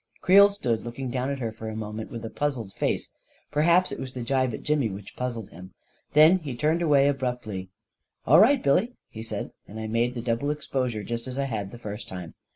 Creel stood looking down at her for a moment with a puzzled face — perhaps it was the jibe at Jimmy which puzzled him !— then he turned away abruptly. " All right, Billy/' he said, and I made the dou ble exposure, just as I had the first time.